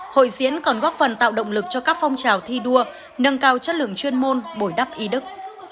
hội diễn còn góp phần tạo động lực cho các phong trào thi đua nâng cao chất lượng chuyên môn bồi đắp ý đức